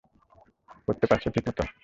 পড়তে পারছ ঠিকমত?